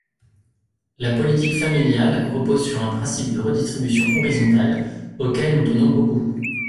La politique familiale repose sur un principe de redistribution horizontale, auquel nous tenons beaucoup.